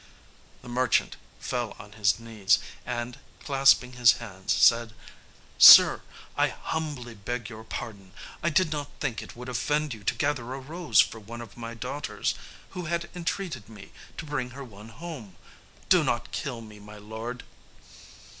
The merchant fell on his knees, and, clasping his hands, said, "Sir, I humbly beg your pardon. I did not think it would offend you to gather a rose for one of my daughters, who had entreated me to bring her one home. Do not kill me, my lord!"